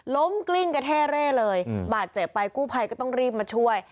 กลิ้งกระเท่เร่เลยบาดเจ็บไปกู้ภัยก็ต้องรีบมาช่วย